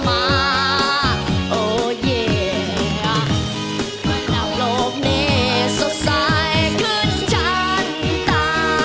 มันรอบนี้สุดท้ายขึ้นฉันตา